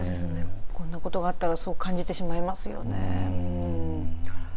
こんなことがあったらそう感じてしまいますよね。